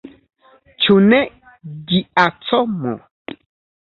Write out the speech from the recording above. Ĉu ne, Giacomo?